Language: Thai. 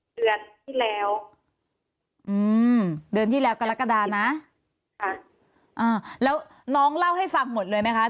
เดือนที่แล้วอืมเดือนที่แล้วกรกฎานะค่ะอ่าแล้วน้องเล่าให้ฟังหมดเลยไหมคะ